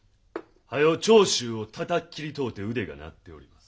早う長州をたたき斬りとうて腕が鳴っております。